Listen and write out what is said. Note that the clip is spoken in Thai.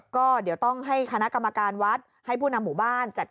ก็เดี๋ยวต้องให้คณะกรรมการวัดให้ผู้นำหมู่บ้านจัด